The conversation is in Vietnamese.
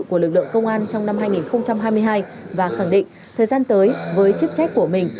của lực lượng công an trong năm hai nghìn hai mươi hai và khẳng định thời gian tới với chức trách của mình